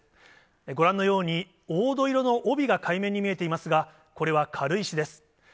ご覧のように、黄土色の帯が海面に見えていますが、これは軽石です。